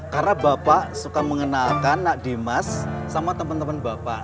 karena bapak suka mengenalkan nak dimas sama teman teman bapak